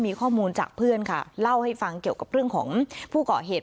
มีข้อมูลจากเพื่อนค่ะเล่าให้ฟังเกี่ยวกับเรื่องของผู้เกาะเหตุ